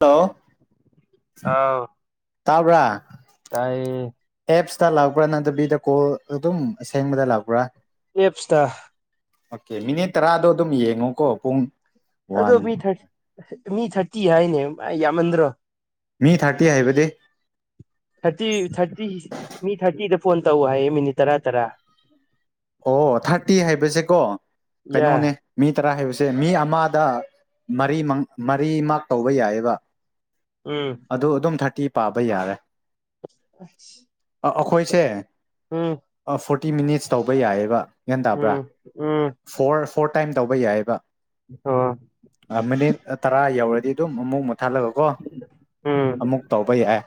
hello ꯇꯥꯕ꯭ꯔꯥ ꯇꯥꯏ ꯍꯇꯥ ꯂꯥꯛꯄ꯭ꯔꯥ ꯅꯗꯕꯤꯗ ꯀꯣꯜ ꯑꯗꯨꯝ ꯑꯁꯦꯡꯕꯗ ꯂꯥꯛꯄ꯭ꯔꯥ ꯑꯦꯦꯞꯇ ꯑꯣꯀꯦ ꯃꯤꯅꯤꯠ ꯇꯔꯥꯗꯣ ꯑꯗꯨꯝ ꯌꯦꯡꯉꯣꯀꯣ ꯄꯨꯡ ꯑꯗꯣ ꯋꯥꯟ ꯃꯤ ꯊꯥꯔ ꯃꯤ ꯊꯥꯔꯇꯤ ꯍꯥꯏꯅꯦ ꯌꯥꯝꯃꯟꯗ꯭ꯔꯣ ꯃꯤ ꯊꯥꯔꯇꯤ ꯍꯥꯏꯕꯗꯤ ꯊꯥꯔꯇꯤ ꯊꯥꯔꯇꯤ ꯃꯤ ꯊꯥꯔꯇꯤꯗ ꯐꯣꯟ ꯇꯧ ꯍꯥꯏꯌꯦ ꯃꯤꯅꯤꯠ ꯇꯔꯥ ꯇꯔꯥ ꯑꯣ ꯊꯥꯔꯇꯤ ꯍꯥꯏꯕꯁꯦꯀꯣ ꯌꯥ ꯀꯩꯅꯣꯅꯦ ꯃꯤ ꯇꯔꯥ ꯍꯥꯏꯕꯁꯦ ꯃꯤ ꯑꯃꯗ ꯃꯔꯤ ꯃꯔꯤꯃꯛ ꯇꯧꯕ ꯌꯥꯏꯑꯕ ꯎꯝ ꯑꯗꯨ ꯑꯗꯨꯝ ꯊꯥꯔꯇꯤ ꯄꯥꯕ ꯌꯥꯔꯦ ꯑ ꯑꯈꯣꯏꯁ ꯎꯝ ꯐ ꯇꯤ ꯃꯤꯅꯤꯠꯁ ꯇꯧ ꯎꯕ ꯌꯥꯏꯕ ꯒ꯭ꯌꯥꯟ ꯎꯝ ꯇꯥꯕ꯭ꯔꯥ ꯎꯝ ꯐꯣꯔ ꯐꯣꯔ ꯇꯥꯏꯝ ꯇꯧꯕ ꯌꯥꯏꯑꯕ ꯑꯣ ꯃꯤꯅꯤꯠ ꯇꯔꯥ ꯌꯧꯔꯗꯤ ꯑꯗꯨꯝ ꯑꯃꯨꯛ ꯃꯨꯠꯊꯠꯂꯒꯀꯣ ꯎꯝ ꯑꯃꯨꯛ ꯇꯧꯕ ꯌꯥꯏ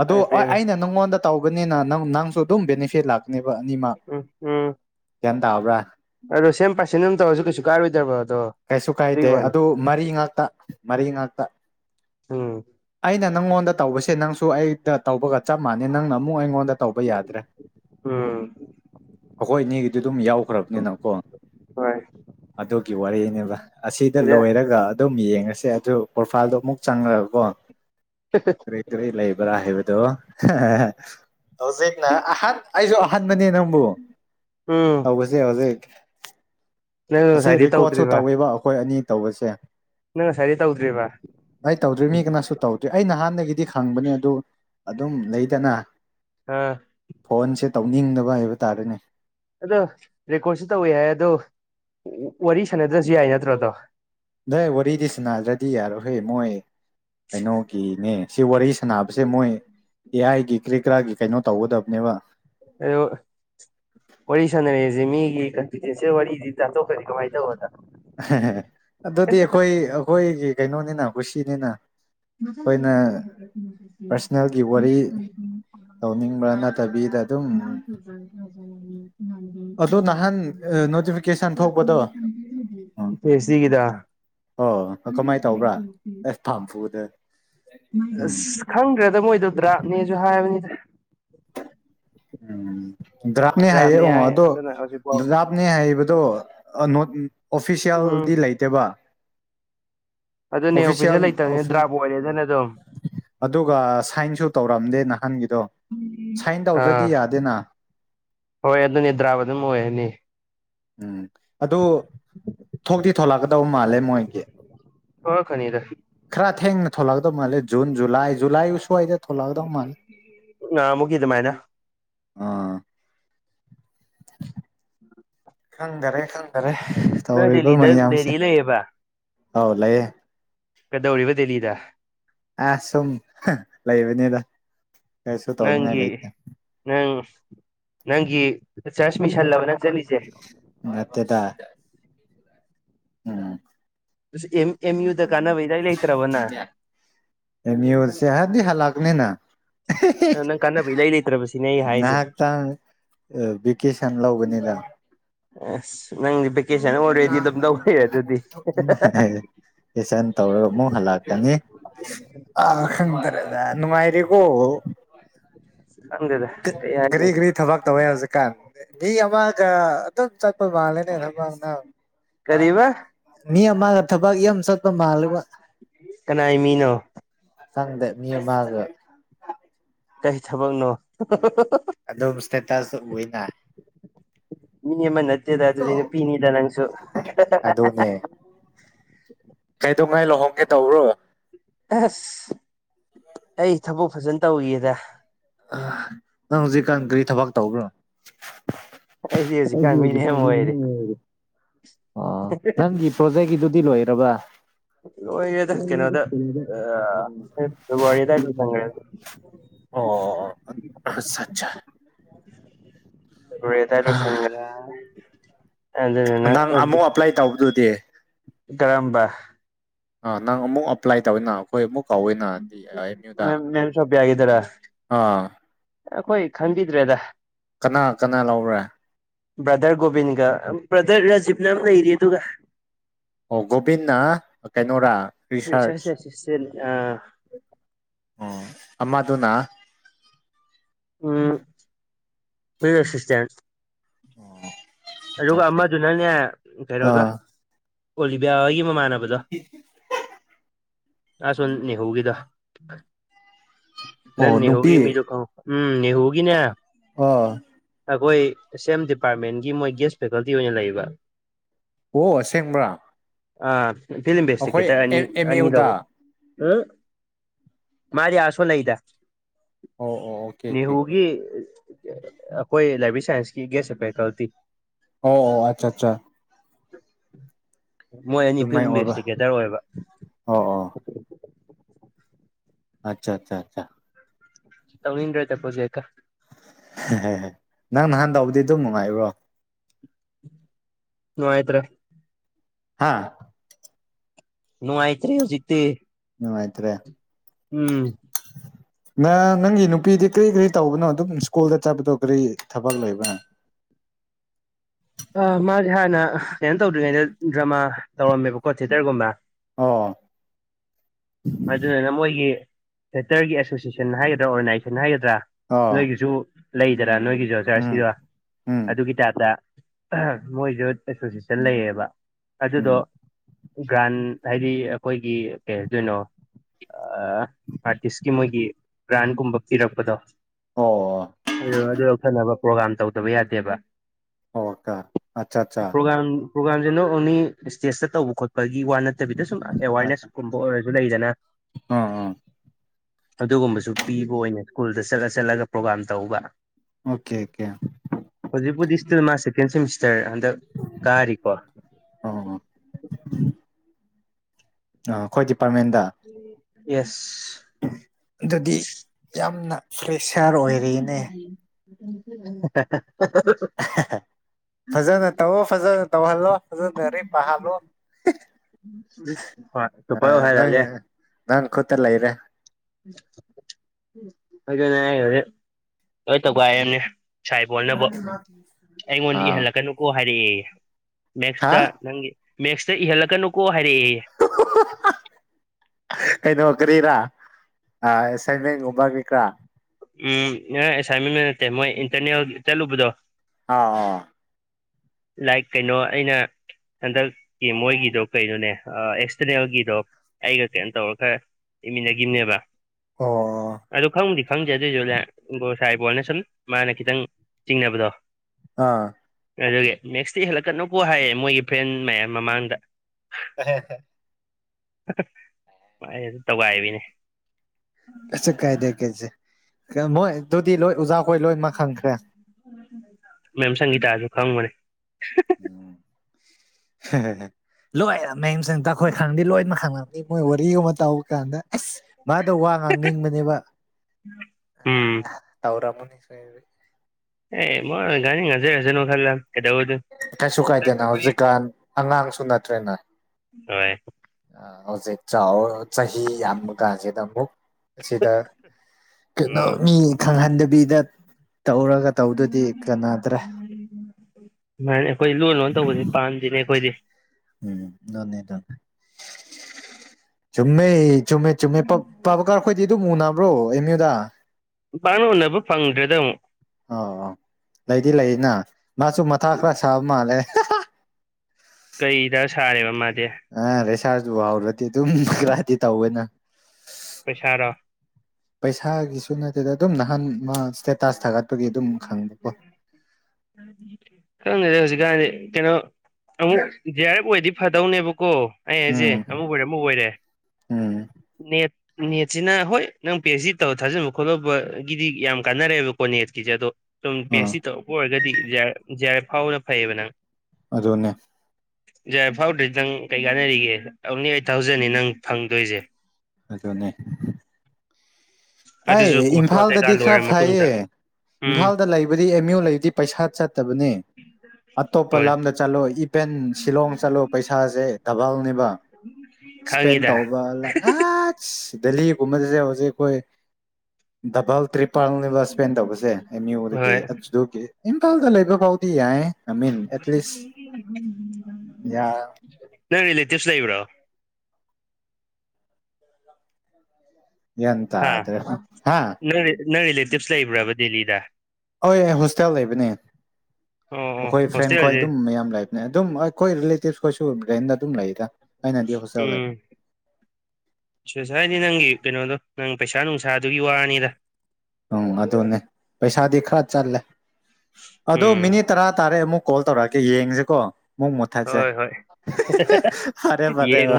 ꯑꯗꯨ ꯏꯃꯥꯏ ꯄꯦꯝꯃ ꯑꯩꯅ ꯅꯪꯉꯣꯟꯗ ꯇꯧꯕꯅꯤꯅ ꯅꯪ ꯅꯪꯁꯨ ꯑꯗꯨꯝ ꯕꯦꯅꯤꯐꯤꯠ ꯂꯥꯛꯀꯅꯦꯕ ꯑꯅꯤꯃꯛ ꯎꯝ ꯎꯝ ꯒ꯭ꯌꯥꯟ ꯇꯥꯕ꯭ꯔꯥ ꯑꯗꯣ ꯁꯦꯝ ꯄꯥꯔꯁꯦꯟ ꯑꯃ ꯇꯧꯔꯁꯨ ꯀꯩꯁꯨ ꯀꯥꯔꯣꯏꯗꯕ ꯑꯗꯣ ꯀꯩꯁꯨ ꯑꯗꯨꯏ ꯀꯥꯏꯗꯦ ꯋꯥꯅꯤ ꯑꯗꯨ ꯃꯔꯤ ꯉꯥꯛꯇ ꯃꯔꯤ ꯉꯥꯛꯇ ꯎꯝ ꯑꯩꯅ ꯅꯪꯉꯣꯟꯗ ꯇꯧꯕꯁꯦ ꯅꯪꯁꯨ ꯑꯩꯗ ꯇꯧꯕꯒ ꯆꯞ ꯃꯥꯟꯅꯩ ꯅꯪꯅ ꯑꯃꯨꯛ ꯑꯩꯉꯣꯟꯗ ꯇꯧꯕ ꯌꯥꯗ꯭ꯔꯦ ꯎꯝ ꯑꯩꯈꯣꯏꯅꯦꯒꯤꯗꯤ ꯑꯗꯨꯝ ꯌꯥꯎꯈ꯭ꯔꯕꯅꯤꯅꯀꯣ ꯍꯣꯏ ꯑꯗꯨꯒꯤ ꯋꯥꯔꯤꯅꯤ ꯕ ꯑꯁꯤꯗ ꯂꯣꯏꯔꯒ ꯑꯗꯨꯝ ꯌꯦꯡ ꯉꯁꯦꯗꯤ ꯑꯗꯨ ꯄ꯭ꯔꯣꯐꯥꯏꯜꯗꯣ ꯑꯃꯨꯛ ꯆꯪꯉꯀꯣ ꯀꯔꯤ ꯀꯔꯤ ꯂꯩꯥ ꯕ ꯍꯥꯏꯕꯗꯣ ꯍꯧꯖꯤꯛꯅ ꯑꯍꯥꯟꯕ ꯑꯩꯁꯨ ꯑꯍꯥꯟꯕ ꯕꯅꯦ ꯅꯪꯕꯨ ꯎꯝ ꯇꯧꯕꯁꯦ ꯍꯧꯖꯤꯛ ꯅꯪ ꯑꯁꯤ ꯉꯁꯥꯏꯗꯤ ꯔꯦꯀꯣꯔꯠꯁꯨ ꯇꯧꯗ꯭ꯔꯤꯕ ꯇꯧꯋꯦꯕ ꯑꯩꯈꯣꯏ ꯑꯅꯤ ꯇꯧꯕꯁꯦ ꯅꯪ ꯉꯁꯥꯏꯗꯤ ꯇꯧꯗ꯭ꯔꯤꯕ ꯑꯩ ꯇꯧꯗ꯭ꯔꯤꯉꯩ ꯀꯅꯁꯨ ꯇꯧꯗ꯭ꯔꯤ ꯑꯩ ꯅꯍꯥꯟꯗꯒꯤꯗꯤ ꯗꯤ ꯍꯪꯕꯅꯦ ꯑꯗꯨ ꯑꯗꯨꯝ ꯂꯩꯗꯅ ꯑꯥ ꯐꯣꯟꯁꯦ ꯇꯧꯅꯤꯡꯗꯕ ꯍꯥꯏꯕ ꯇꯥꯔꯦꯅꯦ ꯑꯗꯣ ꯔꯦꯀꯣꯔꯠꯁꯨ ꯇꯧꯋꯦ ꯍꯥꯏ ꯑꯗꯣ ꯋꯥꯔꯤ ꯁꯥꯟꯅꯗ꯭ꯔꯁꯨ ꯌꯥꯏ ꯅꯠꯇ꯭ꯔꯣꯗꯣ ꯅꯣꯏ ꯋꯥꯔꯤꯗꯤ ꯁꯅꯥꯗ꯭ꯔꯗꯤ ꯌꯥꯔꯣꯏꯍꯦ ꯃꯣꯏ ꯀꯩꯅꯣꯒꯤꯅꯦ ꯁꯤ ꯋꯥꯔꯤ ꯁꯥꯟꯅꯕꯁꯦ ꯃꯣꯏ ꯑꯦ ꯑꯥꯏꯒꯤ ꯀ꯭ꯔꯤ ꯀꯔꯥꯒꯤ ꯀꯩꯅꯣ ꯇꯧꯒꯗꯕꯅꯦꯕ ꯑꯣ ꯋꯥꯔꯤ ꯁꯥꯟꯅꯔꯛꯁꯦ ꯃꯤꯒꯤ ꯀꯟꯐꯤꯗꯦꯟꯁꯦꯜ ꯋꯥꯔꯤꯗꯤ ꯇꯥꯊꯣꯛꯈꯔꯗꯤ ꯀꯃꯥꯏꯅ ꯇꯧꯕ ꯑꯗꯨꯗꯤ ꯑꯩꯈꯣꯏ ꯑꯩꯈꯣꯏꯒꯤ ꯀꯩꯅꯣꯅꯤꯅꯥ ꯀꯨꯁꯤꯅꯤꯅ ꯑꯩꯈꯣꯏꯅ ꯄꯥꯔꯁꯣꯅꯦꯜꯒꯤ ꯋꯥꯔꯤ ꯇꯧꯅꯤꯡꯕ꯭ꯔꯥ ꯅꯠꯇꯕꯤꯗ ꯖꯖ ꯑꯗꯣ ꯅꯍꯥꯟ ꯅꯣꯇꯤꯐꯤꯀꯦꯁꯟ ꯊꯣꯛꯄꯗꯣ ꯑ ꯄꯤ ꯑꯩꯆ ꯗꯤꯒꯤꯗ ꯑ ꯑꯣ ꯀꯃꯥꯏꯅ ꯇꯧꯕ꯭ꯔꯥ ꯑꯦꯁ ꯐꯥꯝ ꯄꯨꯗ ꯑꯁ ꯈꯪꯗ꯭ꯔꯦꯗ ꯃꯣꯏꯗ ꯗ꯭ꯔꯥꯛꯅꯦꯁꯨ ꯍꯥꯏꯕꯅꯤ ꯎꯝ ꯗ꯭ꯔꯥꯞꯅꯦ ꯍꯩꯌꯦ ꯑꯣ ꯍꯥꯏ ꯑꯗꯣ ꯑꯗꯨꯅ ꯍꯧꯖꯤꯛꯐꯥꯎ ꯗ꯭ꯔꯥꯞꯅꯦ ꯍꯩꯕꯗꯣ ꯑ ꯅꯣ ꯎꯝ ꯑꯣꯐꯤꯁꯦꯜꯗꯤ ꯂꯩꯇꯦꯕ ꯑꯗꯨꯅꯦ ꯑꯣꯐꯤꯁꯦꯜ ꯂꯩꯇꯕꯅꯤꯅ ꯎꯝ ꯗ꯭ꯔꯥꯞ ꯑꯣꯏꯔꯦꯗꯅ ꯑꯗꯨꯝ ꯑꯗꯨꯒ ꯁꯥꯏꯟꯁꯨ ꯇꯧꯔꯝꯑꯝꯗꯦ ꯅꯍꯥꯟꯒꯤꯗꯣ ꯁꯥꯏꯟ ꯑꯥ ꯇꯧꯗ꯭ꯔꯗꯤ ꯌꯥꯗꯦꯅ ꯍꯣꯏ ꯑꯗꯨꯅꯤ ꯗ꯭ꯔꯥꯕ ꯑꯗꯨꯝ ꯑꯣꯏꯅꯤ ꯎꯝ ꯑꯗꯨ ꯊꯣꯛꯇꯤ ꯊꯣꯛꯂꯛꯀꯗꯧ ꯃꯥꯜꯂꯦ ꯃꯣꯏꯒꯤ ꯊ ꯈꯅꯤ ꯔ ꯈꯔ ꯊꯦꯡꯅ ꯊꯣꯛꯂꯛꯇꯧ ꯃꯥꯜꯂꯤ ꯖꯨꯟ ꯖꯂꯥꯏ ꯖꯨꯂꯥꯏ ꯁꯋꯥꯗ ꯑ ꯃꯨꯒꯤ ꯑꯗꯨꯃꯥꯏꯅ ꯑꯥ [inaudible] ꯈꯪꯒꯥꯔꯦ ꯐꯔꯦ ꯅꯪ ꯇꯧꯔꯤꯕ ꯗꯦꯜꯂꯤꯗ ꯃꯌꯥꯝꯁꯦ ꯗꯦꯜꯂꯤ ꯂꯩꯌꯦꯕ ꯑꯧ ꯂꯩꯌꯦꯦ ꯀꯩꯗꯧꯔꯤꯕ ꯗꯦꯜꯂꯤꯗ ꯑ ꯁꯨꯝ ꯂꯩꯕꯅꯤꯗ ꯀꯩꯁꯨ ꯇꯧꯅꯤꯡꯉꯥꯏ ꯅꯪꯒꯤꯤ ꯂꯩꯇꯦ ꯅꯪ ꯅꯪꯒꯤ ꯆꯔꯁ ꯃꯤꯁꯜꯂꯕ ꯅꯪ ꯆꯠꯂꯤꯁꯦ ꯑꯠꯇꯦꯗ ꯎꯝ ꯑꯗꯨ ꯃꯤ ꯑꯣꯏ ꯁꯦ ꯍꯥꯏꯗꯤ ꯍꯂꯒꯅꯤꯅ ꯅꯪ ꯀꯥꯟꯅꯕ ꯏꯂꯩ ꯂꯩꯇ꯭ꯔꯕꯁꯤꯅꯦ ꯑꯩ ꯍꯥꯏꯁꯦ ꯉꯍꯥꯛꯇꯪ ꯚꯦꯀꯦꯁꯟ ꯂꯧꯕꯅꯤꯅ ꯑꯁ ꯅꯪ ꯏꯁꯟ ꯇꯧꯔ ꯑꯃꯨꯛ ꯍꯜꯂꯛꯀꯅꯤ ꯑ ꯎꯝ ꯈꯪꯗ꯭ꯔꯦꯅꯨꯡꯉꯥꯏ ꯑꯣ ꯈꯪꯗꯦꯗ ꯀꯩ ꯔꯤ ꯍꯥꯏꯗꯣꯏꯅꯣ ꯔꯤ ꯊꯕꯥꯛ ꯇꯋꯦ ꯍꯧꯖꯤ ꯀ ꯃꯤ ꯑꯋꯥꯒ ꯑꯗꯨꯝ ꯆ ꯂꯅꯦ ꯀꯔꯤꯕ ꯃꯤ ꯃꯥꯒ ꯊꯕꯛ ꯌꯥꯝ ꯆꯠꯄ ꯃꯥꯜꯂꯕ ꯀꯅꯥꯏ ꯃꯤꯅꯣ ꯆꯪꯗꯦ ꯃꯤ ꯃꯥꯔꯒ ꯀꯔꯤ ꯊꯕꯛꯅꯣ ꯑꯗꯨꯝ ꯁ꯭ꯇꯦꯇꯁ ꯎꯏꯅ ꯃꯤꯅꯤꯃꯟ ꯅꯠꯇꯦ ꯇ ꯑꯗꯨꯗꯤꯅ ꯄꯤꯅꯤꯗ ꯂꯪꯁꯨ ꯀꯩꯗꯧꯉꯥꯏ ꯂꯨꯍꯣꯡꯒꯦ ꯇꯧꯕ꯭ꯔꯣ ꯑꯁ ꯑꯩ ꯊꯕꯛ ꯐꯖꯅ ꯇꯧꯒꯦꯗ ꯑ ꯅꯪ ꯍꯧꯖꯤꯛꯀꯥꯟ ꯀꯔꯤ ꯊꯕꯛ ꯇꯧꯕ꯭ꯔꯣ ꯑꯩꯗꯤ ꯍꯧꯖꯤꯛꯀꯥꯟ ꯃꯤꯔꯦꯝ ꯑꯣꯏꯔꯦ ꯑ ꯅꯪꯒꯤ ꯄ꯭ꯔꯣꯖꯦꯛꯗꯤ ꯂ ꯇꯕ ꯗ ꯀꯩꯅꯣꯗꯗ ꯁꯠꯆꯥ ꯇ ꯂꯣꯁꯗ꯭ꯔ ꯅꯪ ꯑꯃꯨꯛ ꯑꯄ꯭ꯂꯥꯏ ꯇꯧ ꯇꯦ ꯀꯔꯝꯕ ꯅꯪ ꯑꯃꯨꯛ ꯑꯞ꯭ꯂꯥꯏ ꯇꯧꯋꯅ ꯑꯩꯈꯣꯏ ꯑꯃꯨꯛ ꯀꯥꯎꯋꯦꯅꯗꯤ ꯑ ꯑꯦꯝ ꯌꯨꯗ ꯃꯦꯝ ꯁꯣꯐꯤꯌꯥꯒꯤꯗꯨꯔꯥ ꯑꯥ ꯑꯩꯈꯣꯏ ꯈꯟꯕꯤꯗ꯭ꯔꯦꯗ ꯀꯅꯥ ꯀꯅꯥ ꯂꯧꯕ꯭ꯔꯦ ꯕꯗꯔ ꯒꯕꯤꯟꯒ ꯕꯗꯔ ꯔꯥꯖꯤꯞ ꯅ ꯑꯃ ꯂꯩꯔꯤꯌꯦ ꯑꯗꯨꯒꯒ ꯑꯣ ꯣꯕꯤꯤꯟ ꯀꯩꯅꯣꯣꯔꯥ ꯁ ꯑ ꯑꯣ ꯑꯃꯗꯨꯅ ꯎꯝ ꯐ ꯁꯤꯁꯇ ꯑꯣ ꯑꯗꯨꯒ ꯑꯃꯗꯨꯅꯅꯦ ꯀꯩꯅꯣꯗꯣ ꯑꯥ ꯀꯣꯕ ꯌꯥ ꯃꯅꯕꯖ ꯑꯁꯨꯅꯤ ꯍꯧꯧꯒꯤꯗ ꯅ ꯑꯣ ꯅ ꯍꯧꯒ ꯅꯨꯄꯤ ꯃꯤꯁꯨꯣ ꯀꯣ ꯎꯝ ꯅ ꯍꯒꯅꯦ ꯑ ꯑꯩꯈꯣꯏ ꯁꯦꯝ ꯑ ꯗꯤꯄꯥꯔꯠꯃꯦꯟꯒꯤ ꯃꯣꯏꯒꯤ ꯒꯦꯁ ꯐꯦꯀꯜꯇꯤ ꯑꯣꯏꯅ ꯂꯩꯕ ꯑꯣ ꯑꯁꯦꯡꯕ꯭ꯔꯥ ꯑꯥ ꯐꯤꯝ ꯦꯁꯇ ꯑꯩꯈꯣꯏ ꯈꯦꯇ ꯑꯦ ꯑꯦꯝ ꯑꯅꯤ ꯌꯨꯗ ꯂꯧꯕ ꯎꯝ ꯃꯥꯔꯤ ꯑꯁꯨꯨ ꯅ ꯊ ꯑꯣ ꯑꯣ ꯑꯣꯀꯦ ꯑꯣꯀꯦ ꯑꯣꯀꯦ ꯅꯦꯍꯒꯤ ꯑꯩꯈꯣꯏ ꯂꯥꯏꯕ ꯁꯥꯏꯟꯁꯀꯤ ꯒꯦꯁ ꯐꯦꯀꯜꯇꯤ ꯑꯣ ꯑꯣ ꯑꯆꯥ ꯑꯠꯆꯥ ꯃꯣꯏ ꯑꯅꯤ ꯐꯤꯜ ꯑꯗꯨꯃꯥꯏ ꯑꯣꯏꯕ ꯏꯟꯚꯦꯁꯇꯤꯒꯦꯇꯔ ꯑꯣꯏꯕ ꯑꯣ ꯑꯆꯥ ꯑꯠꯆꯥꯆꯥ ꯑꯆꯥ ꯇꯧꯅꯤꯟ ꯔꯦ ꯇ ꯄꯣꯁꯦꯑꯀ ꯍꯥꯏꯣꯏ ꯍ ꯅꯪ ꯅꯍꯥꯟ ꯇꯧꯕꯗꯤ ꯑꯗꯨꯝ ꯅꯨꯡꯉꯥꯏ꯭ꯔꯣ ꯥꯏꯇ꯭ꯔꯦ ꯍꯥꯥ ꯅꯅꯨꯡ ꯑꯥꯏꯇꯔꯤ ꯍꯧꯖꯤꯛꯇꯤ ꯅꯨꯡꯉꯥꯏꯇꯔꯦ ꯎꯝ ꯅ ꯅꯪꯒꯤ ꯅꯨꯄꯤꯗꯤ ꯀꯔꯤ ꯀꯔꯤ ꯇꯧꯕꯅꯣ ꯁ꯭ꯨꯜꯗ ꯆꯄ ꯀꯔꯤ ꯊꯕꯛ ꯂꯩꯕꯅ ꯑ ꯃꯥꯗꯤ ꯍꯥꯟꯅ ꯀꯩꯅꯣ ꯇꯧꯗ꯭ꯔꯤꯉꯩꯗ ꯗ꯭ꯔꯃꯥ ꯇꯧꯔꯝꯃꯦꯕꯀꯣ ꯊꯤꯦꯇꯔꯒꯨꯝꯕ ꯑꯣ ꯑꯗꯨꯅꯅ ꯃꯣꯏꯒꯤ ꯁꯦꯇꯔꯒꯤ ꯑꯦꯁꯣꯁꯤꯌꯦꯁꯟ ꯍꯥꯏꯒꯗ꯭ꯔꯥ ꯑꯣꯔꯒꯅꯥꯏꯦꯁꯟ ꯍꯥꯏꯒꯗ꯭ꯔꯥ ꯑꯣ ꯅꯠꯇ꯭ꯔ ꯅꯣꯏꯒꯤꯁꯨ ꯂꯩꯖꯦ ꯅꯣꯏꯒꯤꯁꯨ ꯎꯝ ꯆꯥꯔꯖꯀꯤꯗꯣ ꯎꯝ ꯑꯗꯨꯒꯤ ꯇꯥꯏꯞꯇ ꯃꯣꯏꯁꯨ ꯑꯦꯁꯣꯁꯤꯌꯦꯁꯟ ꯂꯩꯌꯦꯕ ꯑꯗꯨꯗ ꯎꯝ ꯒ꯭ꯔꯥꯟ ꯍꯥꯏꯗꯤ ꯑꯩꯈꯣꯏꯒꯤ ꯀꯩꯗꯣꯏꯅꯣ ꯑꯥꯔꯇꯤꯁꯀꯤ ꯃꯣꯏꯒꯤ ꯒ꯭ꯔꯥꯟꯒꯨꯝꯕ ꯄꯤꯔꯛꯄꯗꯣ ꯑꯣ ꯑ ꯑꯖꯤꯁꯅꯦ ꯄ꯭ꯔꯣꯒꯥꯝ ꯇꯧꯗꯕ ꯌꯥꯗꯦꯕ ꯑꯣꯀ ꯑꯠꯆꯥ ꯑꯆꯥ ꯄ꯭ꯔꯣꯒꯥꯝ ꯄ꯭ꯔꯣꯒꯥꯝꯁꯦ ꯅꯣꯠ ꯑꯣꯟꯂꯤ ꯏꯁꯇꯦꯖꯇ ꯇꯧꯕ ꯈꯣꯠꯄ ꯋꯥ ꯅꯠꯇꯕꯤꯗ ꯁꯨꯝ ꯑꯦꯋꯥꯔꯅꯦꯁꯨꯝ ꯑꯣꯏꯔ [unintelligible] ꯂꯩꯗꯅ ꯑꯝ ꯎꯝ ꯑꯗꯨꯒꯨꯝꯕꯁꯨ ꯄꯤꯕ ꯑꯣꯏꯅ ꯁ꯭ꯀꯨꯜꯗ ꯆꯠꯂ ꯆꯠꯂꯒ ꯄ꯭ꯔꯣꯒꯥꯝ ꯇꯧꯕ ꯑꯣꯀꯦ ꯑꯣꯀꯦ ꯑꯗꯨꯗꯤ ꯃꯥ ꯁꯦꯀꯦꯟ ꯁꯦꯃꯤꯁꯇꯦꯔ ꯍꯟꯗꯛ ꯀꯥꯔꯤꯀꯣ ꯎꯝ [inaudible] ꯑ ꯈꯣꯣꯏꯖ ꯄꯥꯔꯃꯦꯟꯗ ꯑꯦꯁ ꯑꯗꯨꯗꯤ ꯌꯥꯝꯅ ꯄ꯭ꯔꯦꯁꯥꯔ ꯑꯣꯏꯔꯤꯅꯦ [inaudible] ꯐꯖꯅ ꯇꯧꯋꯣ ꯐꯖꯅ ꯇꯧꯍꯜꯂꯣ ꯐꯖꯅꯔ ꯄꯥꯍꯜꯂꯣ ꯍꯣꯏ ꯇꯣꯞꯄꯔ ꯅꯪ ꯑꯣꯏꯍꯜꯂꯒꯦ ꯅꯪ ꯈꯨꯠꯇ ꯂꯩꯔꯦ [inaudible] ꯂꯣꯏ ꯇꯧꯒꯥꯏꯔꯦꯅꯦ ꯁꯥꯏꯕꯣꯟꯜꯅꯅꯕ ꯑꯩꯉꯣꯟꯗ ꯑꯥ ꯏꯍꯜꯂꯛꯀꯅꯨꯀꯣ ꯍꯥꯏꯔꯛꯑꯦ ꯍꯥ ꯅꯦꯁꯇ ꯅꯪꯒꯤ ꯃꯦꯛꯁꯇ ꯏꯍꯜꯂꯛꯀꯅꯨꯀꯣ ꯍꯥꯏꯔꯛ ꯑꯦꯌꯦ ꯑꯩꯅ ꯀꯔꯤꯔꯥ ꯑ ꯑꯁꯥꯏꯟꯃꯦꯟꯕ ꯒꯨꯝꯕ ꯀꯩ ꯀꯥ ꯎꯝ ꯅ ꯑꯦꯁꯥꯏꯟꯃꯦꯟ ꯅꯠꯇꯦ ꯃꯣꯏ ꯏꯟꯇꯔꯅꯦꯜ ꯆꯠꯂꯨꯕꯗꯣ ꯑ ꯑ ꯂꯥꯏꯔꯤꯛ ꯀꯩꯅꯣ ꯑꯩꯅ ꯍꯟꯗꯛꯀꯤ ꯃꯣꯏꯒꯤꯗꯣ ꯀꯩꯅꯣꯅꯦ ꯑꯦꯛꯁꯇꯔꯅꯦꯜꯒꯤꯗꯣ ꯑꯩꯒ ꯀꯩꯅꯣ ꯇꯧꯔ ꯈꯔ ꯏꯃꯤꯟꯅꯈꯤꯕꯅꯦꯕ ꯑꯣ ꯑꯗꯣ ꯈꯪꯕꯨꯗꯤ ꯈꯪꯖꯦ ꯑꯗꯨ [inaudible] ꯁꯥꯔ ꯏꯕꯣꯜꯅ ꯁꯨꯝ ꯃꯥꯅ ꯈꯤꯇꯪ ꯆꯤꯡꯅꯕꯗꯣ ꯑꯥ [unintelligible] ꯑꯗꯨꯒꯤ ꯃꯦꯛꯁꯇ ꯍꯦꯜꯂꯛꯀꯅꯨꯀꯣ ꯍꯥꯏꯌꯦꯦ ꯃꯣꯏꯒꯤ ꯐ꯭ꯔꯦꯟ ꯃꯌꯥꯝ ꯃꯃꯥꯡꯗ ꯑꯩ ꯑꯗꯨ ꯇꯣꯒꯥꯏꯕꯤꯅꯦ ꯀꯥꯏꯗ ꯀꯩꯁꯦ ꯃꯣꯏ ꯑꯗꯨꯗꯤ ꯂꯣꯏ ꯎꯖꯥꯎ ꯃꯦꯝ ꯁꯪꯒꯤꯇꯥ ꯍꯥꯏꯒ ꯈꯪ ꯕꯅꯤ ꯎꯝ ꯂꯣꯏꯔꯦ ꯃꯨꯝꯁꯤꯡ ꯇꯈꯣꯏ ꯈꯪꯗꯦ ꯂꯣꯏꯅꯃꯛ ꯈꯪꯉꯛꯅꯤ ꯃꯣꯏ ꯋꯥꯔꯤꯒꯨꯝ ꯇꯧꯏ ꯀꯥꯟꯗ ꯑꯁ ꯃꯥꯗꯣ ꯋꯥ ꯉꯥꯡꯅꯤꯡꯕꯅꯦꯕ ꯎꯝ ꯇꯧꯔꯝꯃ [inaudible] ꯑꯦ ꯃꯣꯏ ꯈꯥꯅꯤꯉ ꯈꯟꯖꯔ꯭ꯁꯨꯅꯨ ꯈꯜꯂꯅꯅꯤ ꯀꯩꯁꯨ ꯀꯥꯏꯗꯦꯅ ꯍꯧꯖꯤꯛꯀꯥꯟ ꯑꯉꯥꯡꯁꯨ ꯅꯠꯇ꯭ꯔꯦꯅ ꯍꯣꯏ ꯑ ꯍꯧꯖꯤꯛ ꯆꯥꯔꯥ ꯆꯍꯤ ꯌꯥꯝꯀꯥꯟꯁꯤꯗ ꯑꯃꯨꯛ ꯁꯤꯗ ꯀꯩꯅꯣ ꯎꯝ ꯃꯤ ꯈꯪꯍꯟꯗ ꯕꯤꯗꯠ [unintelligible] ꯃꯥꯅꯦ ꯂꯣꯟ ꯂꯣꯟ ꯇꯧꯕꯅ ꯄꯥꯝꯗꯦꯅꯦ ꯑꯩꯈꯣꯌꯒꯤ ꯎꯝ ꯑꯗꯨꯅꯦ ꯗꯨ ꯆꯨꯝꯃꯦ ꯆꯨꯝꯃꯦ ꯆꯨꯝꯃꯦ ꯄꯕ ꯞꯕꯀꯔ ꯈꯣꯏꯗꯤ ꯑꯗꯨꯝ ꯎꯅꯕꯔꯣ ꯑꯝ ꯌꯨ ꯗ ꯄꯪ ꯎꯅꯕ ꯐꯪꯗ꯭ꯔꯦꯗ ꯅ ꯃꯥꯁꯨ ꯃꯊꯥ ꯈꯔ ꯁꯥꯕ ꯃꯥꯜꯂꯦ ꯀꯩꯗ ꯁꯥꯔꯦꯕ ꯃꯥ [unintelligible] ꯑꯗꯨꯝꯒꯇꯗꯤ ꯇꯧꯋꯦꯅ ꯄꯩꯁꯥꯔꯥ ꯄꯩꯁꯥꯒꯤꯁꯨ ꯅꯠꯇꯦꯗ ꯑꯗꯨꯝ ꯅꯍꯥꯟ ꯃꯥ ꯏꯁꯇꯦꯇꯥꯁ ꯊꯥꯒꯠꯄꯒꯤ ꯑꯗꯨꯝ ꯈꯪꯕꯀꯣ ꯈꯪꯗꯦꯗ ꯍꯧꯖꯤꯀꯟꯁꯦ ꯀꯩꯅꯣ ꯑꯃꯨꯛ ꯖꯤꯦ ꯑꯥꯔ ꯑꯦꯐ ꯑꯣꯏꯗꯤ ꯐꯗꯧꯅꯦꯕꯀꯣ ꯑꯩ ꯑꯩꯁꯦ ꯎꯝ ꯑꯃꯨꯛ ꯑꯣꯏꯔꯦ ꯑꯃꯨꯛ ꯑꯣꯏꯔꯦ ꯎꯝ ꯅꯦꯠ ꯅꯦꯠꯁꯤꯅ ꯍꯣꯏ ꯅꯪ ꯄꯤ ꯑꯩꯆ ꯗꯤ ꯇꯧ ꯊꯥꯖꯤꯟ ꯈꯣꯠꯂꯛꯄꯒꯤꯗꯤ ꯌꯥꯝ ꯀꯥꯟꯅꯔꯛꯑꯦꯕꯀꯣ ꯅꯦꯠꯀꯤꯁꯦ ꯑꯗꯣ ꯁꯨꯝ ꯄꯤ ꯑꯥ ꯑꯩꯆ ꯗꯤ ꯇꯧꯔꯛꯄ ꯑꯣꯏꯔꯒꯗꯤ ꯖꯤ ꯑꯔ ꯑꯗ ꯐꯥꯎꯅ ꯐꯩꯌꯦꯕ ꯅꯪ ꯑꯗꯨꯅꯦ ꯌꯥ ꯐꯥꯎꯗ꯭ꯔꯤ ꯅꯪ ꯀꯩ ꯀꯥꯟꯅꯔꯤꯒꯦ ꯑꯣꯡꯂꯤ ꯑꯩꯠ ꯊꯥꯎꯖꯟꯅꯤ ꯅꯪ ꯐꯪꯗꯣꯏꯁꯦ ꯑꯗꯨꯅꯦ [inaudible] ꯑꯩ ꯑꯗꯨꯁꯨ ꯀꯣꯔꯁ ꯋꯥꯔꯛ ꯀꯩꯀꯥ ꯏꯝꯐꯥꯜꯗꯗꯤ ꯈꯔ ꯂꯣꯏꯔ ꯃꯇꯨꯡꯗ ꯐꯩꯌꯦ ꯎꯝ ꯏꯝꯐꯥꯜꯗ ꯂꯩꯕꯗꯤ ꯑꯦꯝ ꯌꯨ ꯂꯩꯕꯗꯤ ꯄꯩꯁꯥ ꯆꯠꯇꯕꯅꯤ ꯑꯇꯣꯞꯄ ꯍꯣꯏ ꯂꯝꯗ ꯆꯠꯂꯣꯏ [unintelligible] ꯁꯤꯂꯣꯡ ꯆꯠꯂꯨ ꯄꯩꯁꯥꯁꯦ ꯗꯕꯜꯅꯦꯕ ꯏꯁꯄꯦꯟ ꯈꯪꯉꯤꯗ ꯇꯧꯕ ꯑꯁ ꯗꯦꯜꯂꯤ ꯒꯨꯝꯕꯁꯦ ꯍꯧꯖꯤꯛ ꯈꯣꯏ ꯗꯕꯜ ꯇ꯭ꯔꯤꯄ [unintelligible] ꯁ꯭ꯄꯦꯟ ꯇꯧꯕꯁꯦ ꯑꯝ ꯌꯨꯡꯅ ꯗꯒꯤ ꯍꯣꯏ ꯑꯗꯨꯒꯤ ꯏꯝꯐꯥꯜꯗ ꯂꯩꯕ ꯐꯥꯎꯗꯤ ꯌꯥꯏ ꯑꯥꯏ ꯃꯤꯟ ꯑꯦꯠꯂꯤꯁ ꯌꯥ ꯅꯣꯏ ꯂꯩ ꯇꯁ ꯂꯩꯕ꯭ꯔ ꯌꯦꯠꯇ ꯍꯥ ꯑꯗꯦ ꯍꯥ ꯅꯪ ꯅꯪ ꯔꯤꯂꯦꯇꯤꯞꯁ ꯂꯩꯕ꯭ꯔꯕ ꯗꯦꯜꯂꯤꯗ ꯍ ꯑꯩ ꯍꯣꯁꯇꯦꯜ ꯂꯩꯕꯅꯦ ꯑꯣ ꯑꯣ ꯑꯩꯈꯣꯏ ꯐ꯭ꯔꯦꯟ ꯈꯣꯏ ꯍꯣꯁꯇꯦꯜꯁꯦ ꯑꯗꯨꯝ ꯃꯌꯥꯝ ꯂꯩꯕꯅꯦ ꯑꯗꯨꯝ ꯑꯩꯈꯣꯏ ꯔꯤꯂꯦꯇꯤꯚ ꯈꯣꯏꯁꯨ ꯀ ꯅ ꯑꯗꯨꯝ ꯂꯩꯌꯦꯗ ꯎꯝ ꯁꯁꯥꯏꯗꯤ ꯅꯪꯒꯤ ꯀꯩꯅꯣꯗꯣ ꯅꯪ ꯄꯩꯁꯥ ꯅꯨꯡꯁꯥꯗꯨꯒꯤ ꯋꯥꯅꯤꯗ ꯎꯝ ꯑꯗꯨꯅꯦ ꯄꯩꯁꯥꯗꯤ ꯈꯔ ꯆꯜꯂꯦ ꯑꯗꯨꯣ ꯎꯝ ꯃꯤꯅꯤꯠ ꯇꯔꯥ ꯇꯥꯔꯦ ꯑꯃꯨꯛ ꯀꯣꯜ ꯇꯧꯔꯛꯑꯀꯦ ꯌꯦꯡꯁꯦꯀꯣ ꯃꯣꯏ ꯃꯣꯊꯥꯏ ꯆꯦ ꯍꯣꯏ ꯍꯣꯏ ꯑꯔꯦ ꯐꯔꯦ ꯌꯦꯡꯉꯣ